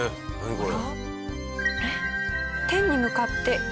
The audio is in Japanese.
これ。